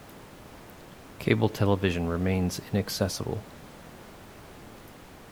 Cable television remains inaccessible.